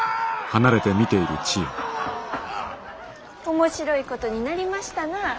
面白いことになりましたなあ。